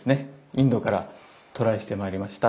インドから渡来してまいりました